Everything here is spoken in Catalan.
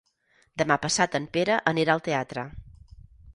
Demà passat en Pere anirà al teatre.